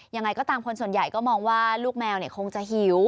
ยังไงก็ตามคนส่วนใหญ่ก็มองว่าลูกแมวคงจะหิว